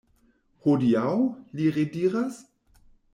Hodiaŭ!? li rediras.